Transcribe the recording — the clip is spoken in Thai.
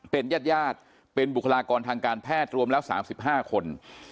เป็นญาติเป็นบุคลากรทางการแพทย์รวมแล้ว๓๕คน